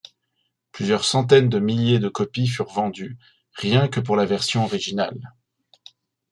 Plusieurs centaines de milliers de copies furent vendues, rien que pour la version originale.